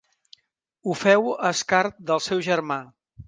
Ho feu a escarn del seu germà.